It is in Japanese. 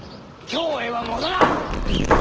京へは戻らぬ！